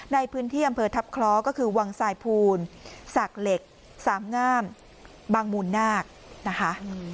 ในพื้นที่อำเภอทัพคล้อก็คือวังสายภูลศักดิ์เหล็กสามงามบางมูลนาคนะคะ